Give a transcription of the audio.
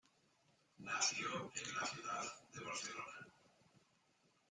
Nació en la ciudad de Barcelona.